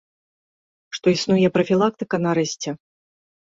Што існуе прафілактыка, нарэшце!